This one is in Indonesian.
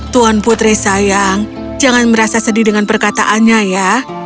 tuan putri sayang jangan merasa sedih dengan perkataannya ya